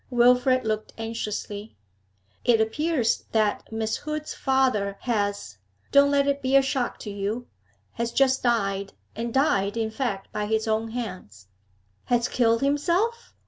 Wilfrid looked anxiously. 'It appears that Miss Hood's father has don't let it be a shock to you has just died, and died, in fact, by his own hands.' 'Has killed himself?'